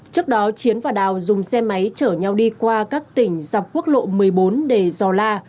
trước đó chiến và đào dùng xe máy chở nhau đi qua các tỉnh dọc quốc lộ một mươi bốn để giò la